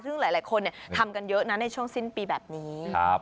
ซึ่งหลายคนทำกันเยอะนะในช่วงสิ้นปีแบบนี้